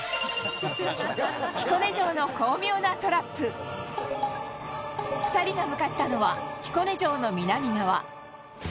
彦根城の巧妙なトラップ２人が向かったのは彦根城の南側